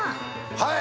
はい！